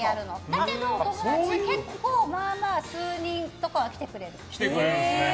だけど、お友達結構まあまあ数人とかは来てくれる。